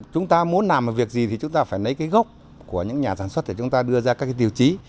chúng ta muốn làm một việc gì thì chúng ta phải lấy cái gốc của những nhà sản xuất để chúng ta đưa ra các cái tiêu chí